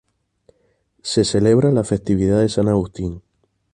Se celebra la festividad de San Agustín.